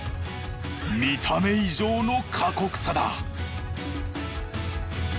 見た目以上の過酷さだ。